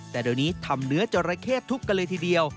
แต่ตอนนี้ทำเนื้อจรเคทุบกันเลยทีเดียว